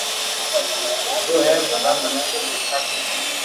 گيو ھي ڀلا مني تو ديکار تو سھي